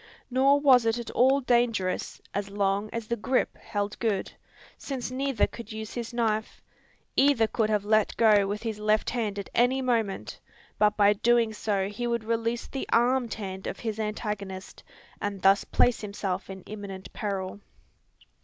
Nor was it at all dangerous, as long as the "grip" held good; since neither could use his knife. Either could have let go with his left hand at any moment; but by so doing he would release the armed hand of his antagonist, and thus place himself in imminent peril.